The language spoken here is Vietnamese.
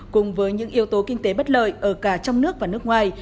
cùng với những yếu tố kinh tế bất lợi ở cả trong nước và nước ngoài